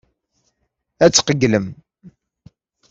Ad tqeyylem.